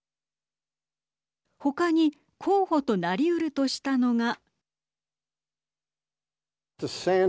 他に候補となりうるとしたのが。